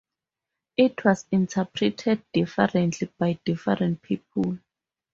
It was interpreted differently by different people.